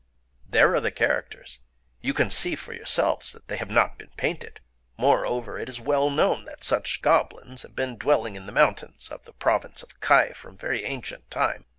There are the characters: you can see for yourselves that they have not been painted. Moreover, it is well known that such goblins have been dwelling in the mountains of the province of Kai from very ancient time...